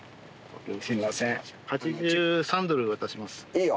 いいよ。